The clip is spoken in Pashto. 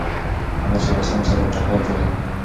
هغه چې له اسلام سره په ټکر کې دي.